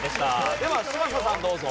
では嶋佐さんどうぞ。